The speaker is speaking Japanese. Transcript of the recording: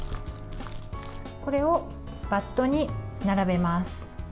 これをバットに並べます。